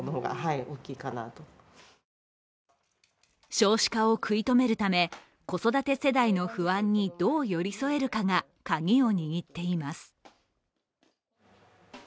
少子化を食い止めるため子育て世代の不安にどう寄り添えるかがカギを握っています。